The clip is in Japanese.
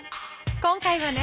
今回はね